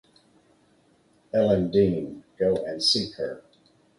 Ellen Dean, go and seek her.